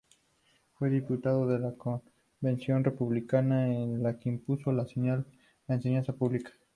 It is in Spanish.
Fue diputado en la Convención republicana, en la que impulsó la enseñanza pública.